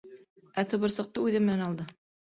Ә тубырсыҡты үҙе менән алды.